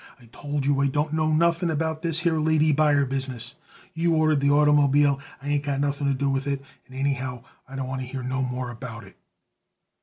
I told you I don't know nothing about this here lady buyer business. You ordered the oitermobile. I ain't got nothing to do with it, and, anyhow, I don't want to hear no more about it."